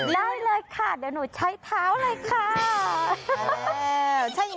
ได้เลยค่ะเดี๋ยวหนูใช้เท้าเลยค่ะ